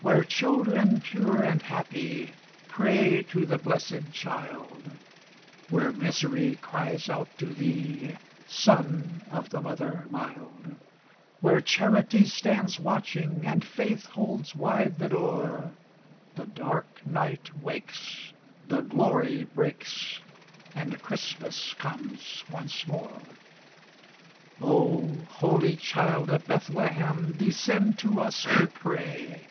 Where children pure and happy Pray to the blessèd Child, Where Misery cries out to thee, Son of the Mother mild; Where Charity stands watching, And Faith holds wide the door, The dark night wakes; the glory breaks, And Christmas comes once more. O holy Child of Bethlehem, Descend to us, we pray!